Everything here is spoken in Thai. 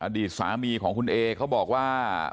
อดีตสามีของคุณเอเขาบอกว่า